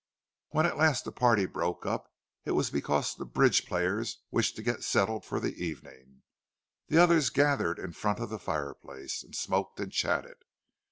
When at last the party broke up, it was because the bridge players wished to get settled for the evening. The others gathered in front of the fireplace, and smoked and chatted.